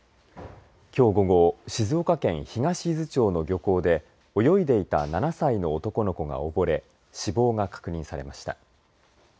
きょう午後静岡県東伊豆町の漁港で泳いでいた７歳の男の子が溺れ死亡が確認されました。